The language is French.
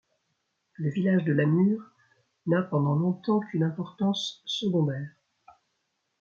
Le village de Lamure n'a pendant longtemps qu'une importance secondaire.